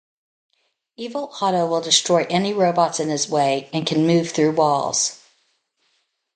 Evil Otto will destroy any robots in his way, and can move through walls.